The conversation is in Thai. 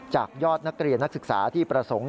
จากยอดนักเรียนนักศึกษาที่ประสงค์